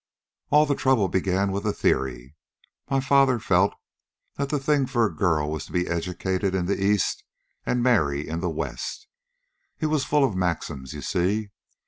"All the trouble began with a theory. My father felt that the thing for a girl was to be educated in the East and marry in the West. He was full of maxims, you see.